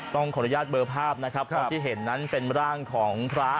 ต้องขออนุญาตเบอร์ภาพนะครับเพราะที่เห็นนั้นเป็นร่างของพระ